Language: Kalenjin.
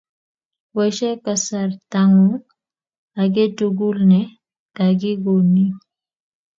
Boise kasartangu aketukul ne kakikoning